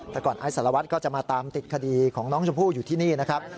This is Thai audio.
แต่ก่อนไอ้สารวัตรก็จะมาตามติดคดีของน้องชมพู่อยู่ที่นี่นะครับ